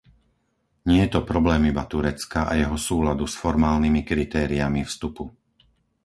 Nie je to problém iba Turecka a jeho súladu s formálnymi kritériami vstupu.